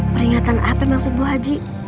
peringatan apa maksud bu haji